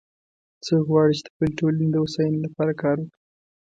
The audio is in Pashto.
څوک غواړي چې د خپلې ټولنې د هوساینی لپاره کار وکړي